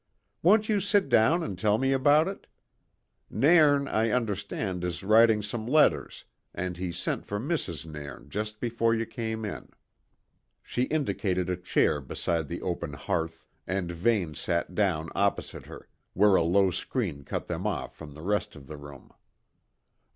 "Won't you sit down and tell me about it? Nairn, I understand, is writing some letters, and he sent for Mrs. Nairn just before you came in." She indicated a chair beside the open hearth and Vane sat down opposite her, where a low screen cut them off from the rest of the room.